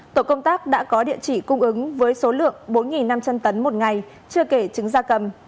tổ công tác đã có địa chỉ cung ứng với số lượng bốn năm trăm linh tấn một ngày chưa kể trứng da cầm